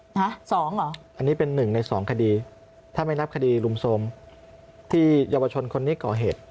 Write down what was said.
สองเหรออันนี้เป็นหนึ่งในสองคดีถ้าไม่นับคดีรุมโทรมที่เยาวชนคนนี้ก่อเหตุ